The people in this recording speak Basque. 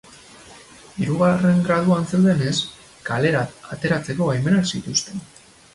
Hirugarren graduan zeudenez, kalera ateratzeko baimenak zituzten.